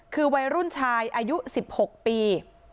คือวัยรุ่นชายอายุ๑๖ปี